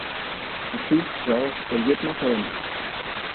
Son fils George est lieutenant-colonel.